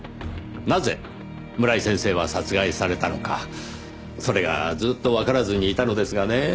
なぜ村井先生は殺害されたのかそれがずっとわからずにいたのですがね